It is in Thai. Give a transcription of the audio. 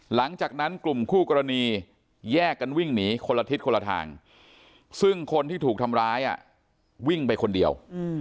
หลังจากนั้นกลุ่มคู่กรณีแยกกันวิ่งหนีคนละทิศคนละทางซึ่งคนที่ถูกทำร้ายวิ่งไปคนเดียว